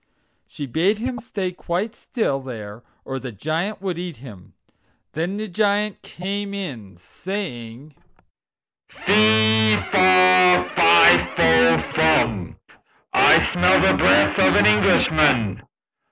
She bade him stay quite still there, or the Giant would eat him. Then the Giant came in, saying: "Fe, fa, fi fo furn, I smell the breath of an Englishman.